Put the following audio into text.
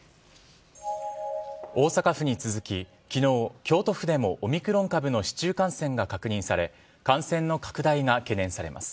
大阪府に続き昨日京都府でもオミクロン株の市中感染が確認され感染の拡大が懸念されます。